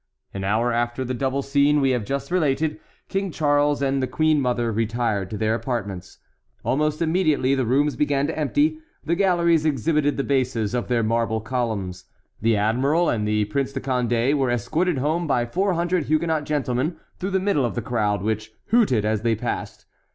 An hour after the double scene we have just related, King Charles and the queen mother retired to their apartments. Almost immediately the rooms began to empty; the galleries exhibited the bases of their marble columns. The admiral and the Prince de Condé were escorted home by four hundred Huguenot gentlemen through the middle of the crowd, which hooted as they passed.